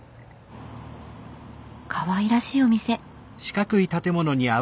かわいらしいお店。